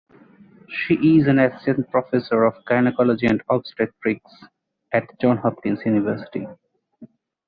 She is an assistant professor of gynecology and obstetrics at Johns Hopkins University.